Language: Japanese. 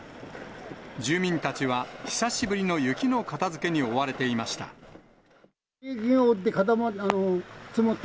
住民たちは久しぶりの雪の片づけに追われていました。